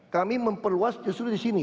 kami memperluas justru disini